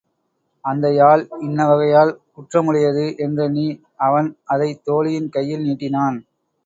அந்த யாழ் இன்ன வகையால் குற்றமுடையது என்றெண்ணி அவன் அதைத் தோழியின் கையில் நீட்டினான்.